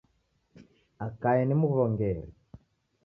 Akae ni m'w'ongeri.